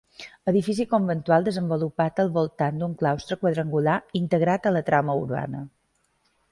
Edifici conventual desenvolupat al voltant d'un claustre quadrangular integrat en la trama urbana.